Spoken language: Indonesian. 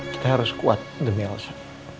kita harus kuat demi elsa